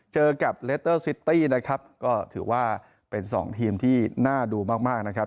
เจอกับนะครับก็ถือว่าเป็นสองทีมที่น่าดูมากมากนะครับ